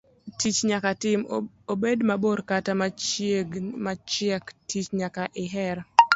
Tich nyaka tim, obed mabor kata machiek, tich nyaka iher.